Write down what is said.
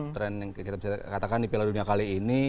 trend yang kita bisa katakan di piala dunia kali ini